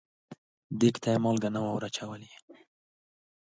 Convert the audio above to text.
کتغ ته یې مالګه نه وه وراچولې.